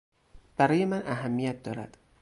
برای من اهمیت دارد.